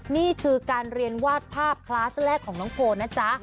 นี่คือการเรียนวาดภาพคลาสแรกของน้องโพลนะจ๊ะ